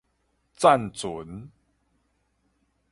棧船